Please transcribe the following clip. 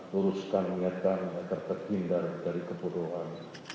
luruskan niat kami agar terhindar dari kebodohan